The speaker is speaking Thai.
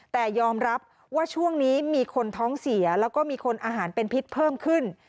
แต่ยอมรับว่าช่วงนี้มีคนท้องเสียแล้วก็มีคนอาหารเป็นพิษเพิ่มขึ้น